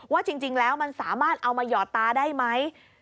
ว่าจริงแล้วมันสามารถเอามาหยอดตาได้ไหม